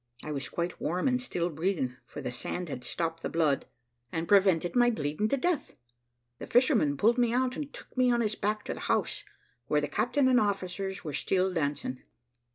I was quite warm and still breathing, for the sand had stopped the blood, and prevented my bleeding to death. The fisherman pulled me out and took me on his back to the house where the captain and officers were still dancing.